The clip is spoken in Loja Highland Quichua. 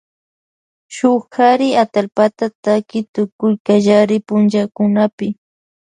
Shuk kari atallpa takin tukuy kallari punllakunapi.